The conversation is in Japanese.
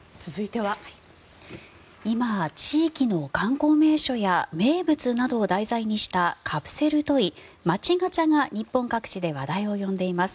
今、地域の観光名所や名物などを題材にしたカプセルトイ街ガチャが日本各地で話題を呼んでいます。